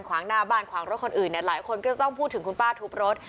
ขวางหน้าบ้านขวางรถคนอื่นเนี่ยหลายคนก็จะต้องพูดถึงคุณป้าทุบรถ